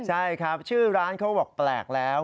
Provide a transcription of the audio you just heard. ใช่ครับชื่อร้านเขาบอกแปลกแล้ว